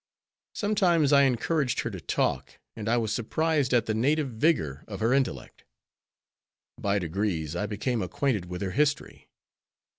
Sometimes I encouraged her to talk, and I was surprised at the native vigor of her intellect. By degrees I became acquainted with her history.